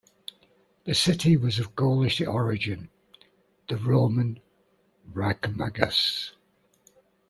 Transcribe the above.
The city was of Gaulish origin, the Roman "Ricomagus".